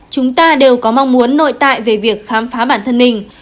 chúng ta đều có mong muốn nội tại về việc khám phá bản thân mình